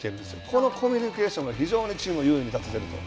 このコミュニケーションが非常にチームを優位に立たせていると。